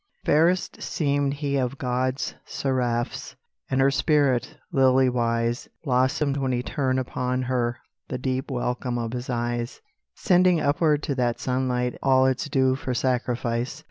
Fairest seemed he of God's seraphs, And her spirit, lily wise, Blossomed when he turned upon her The deep welcome of his eyes, Sending upward to that sunlight All its dew for sacrifice.